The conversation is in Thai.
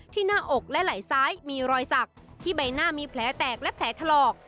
หน้าอกและไหล่ซ้ายมีรอยสักที่ใบหน้ามีแผลแตกและแผลถลอก